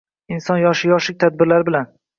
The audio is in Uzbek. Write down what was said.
Inson yoshi yoshlik tadbirlari bilan hisoblashadi.